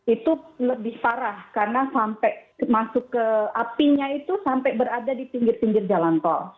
itu lebih parah karena sampai masuk ke apinya itu sampai berada di pinggir pinggir jalan tol